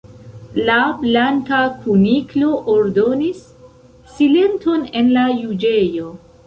La Blanka Kuniklo ordonis: "Silenton en la juĝejo."